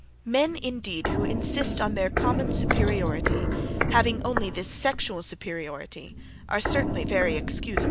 Men, indeed, who insist on their common superiority, having only this sexual superiority, are certainly very excusable.